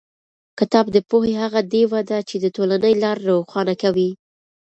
کتاب د پوهې هغه ډېوه ده چې د ټولنې لار روښانه کوي.